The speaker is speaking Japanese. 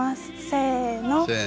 せの。